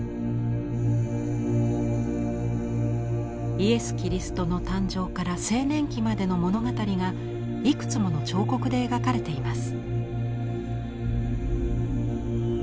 イエス・キリストの誕生から青年期までの物語がいくつもの彫刻で描かれています。